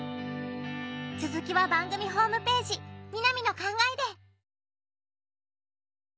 続きは番組ホームページ「みなみの考え」で！